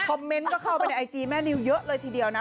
เมนต์ก็เข้าไปในไอจีแม่นิวเยอะเลยทีเดียวนะ